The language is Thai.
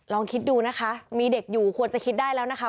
ลองคิดดูนะคะมีเด็กอยู่ควรจะคิดได้แล้วนะคะ